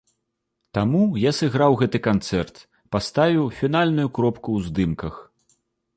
Таму я сыграў гэты канцэрт, паставіў фінальную кропку ў здымках.